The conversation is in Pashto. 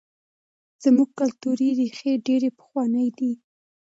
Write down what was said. زموږ کلتوري ریښې ډېرې پخوانۍ دي.